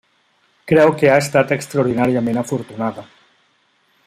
Creu que ha estat extraordinàriament afortunada.